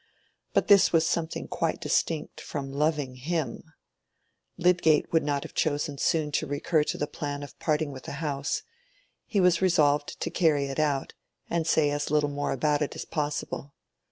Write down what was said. But this was something quite distinct from loving him. Lydgate would not have chosen soon to recur to the plan of parting with the house; he was resolved to carry it out, and say as little more about it as possible.